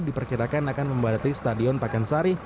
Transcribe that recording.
diperkirakan akan membadati stadion pakansari